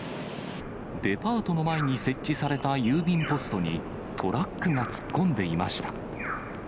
デパートの前に設置された郵便ポストにトラックが突っ込んでいました。